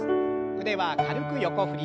腕は軽く横振り。